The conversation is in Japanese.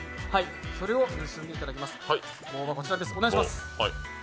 それを結んでいただきます。